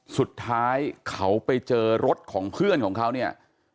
สุดท้ายเขาไปเจอรถของเพื่อนของเขาเนี่ย